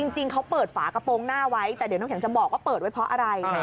จริงเขาเปิดฝากระโปรงหน้าไว้แต่เดี๋ยวน้ำแข็งจะบอกว่าเปิดไว้เพราะอะไร